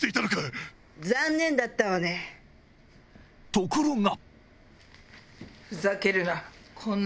ところが！